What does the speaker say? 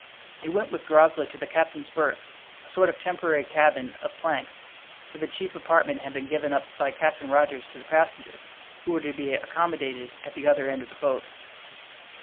He went with Groslow to the captain's berth, a sort of temporary cabin of planks, for the chief apartment had been given up by Captain Rogers to the passengers, who were to be accommodated at the other end of the boat.